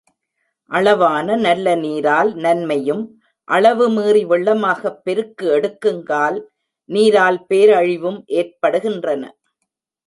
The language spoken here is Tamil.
அளவான நல்ல நீரால் நன்மையும் அளவு மீறி வெள்ளமாகப் பெருக்கு எடுக்குங்கால் நீரால் பேரழிவும் ஏற்படுகின்றன.